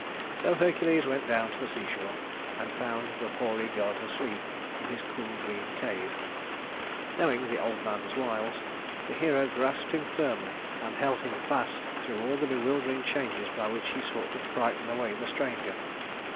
So Hercules went down to the seashore, and found the hoary god asleep in his cool green cave. Knowing the old man's wiles, the hero grasped him firmly and held him fast through all the bewildering changes by which he sought to frighten away the stranger.